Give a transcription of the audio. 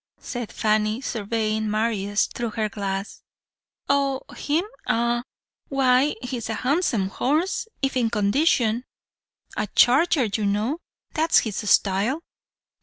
said Fanny, surveying Marius through her glass. "'Oh, him, eh? Why, he is a handsome horse, if in condition a charger, you know that's his style.'